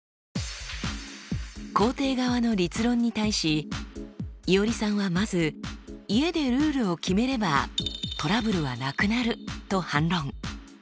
肯定側の立論に対しいおりさんはまず家でルールを決めればトラブルはなくなると反論。